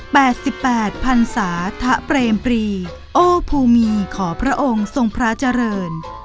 แปดสิบแปดพันศาทะเปรมปรีโอภูมีขอพระองค์ทรงพระเจริญ